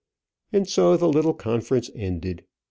And so the little conference ended.